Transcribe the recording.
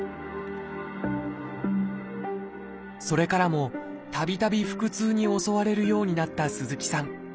それからもたびたび腹痛に襲われるようになった鈴木さん。